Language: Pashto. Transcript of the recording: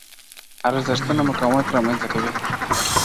ارزښتونه مقاومت رامنځته کوي